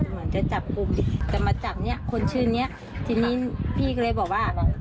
เหมือนจะจับกลุ่มจะมาจับเนี้ยคนชื่อเนี้ยทีนี้พี่ก็เลยบอกว่า